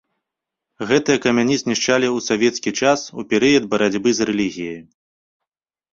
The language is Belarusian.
Гэтыя камяні знішчалі ў савецкі час у перыяд барацьбы з рэлігіяй.